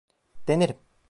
Denerim.